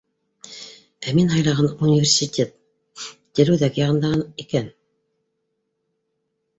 Ә мин һайлаған университет Телеүҙәк янында икән.